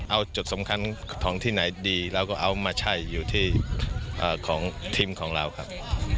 เอาจุดสำคัญของที่ไหนดีแล้วก็เอามาใช่อยู่ที่ของทีมของเราครับ